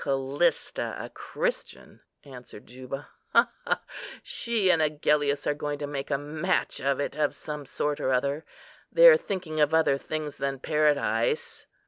"Callista a Christian!" answered Juba, "ha! ha! She and Agellius are going to make a match of it, of some sort or other. They're thinking of other things than paradise."